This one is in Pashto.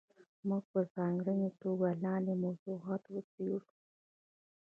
موږ به په ځانګړې توګه لاندې موضوعات وڅېړو.